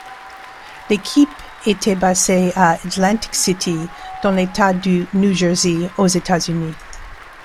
L'équipe était basée à Atlantic City dans l'État du New Jersey aux États-Unis.